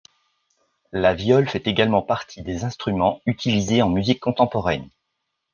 La viole fait également partie des instruments utilisés en musique contemporaine.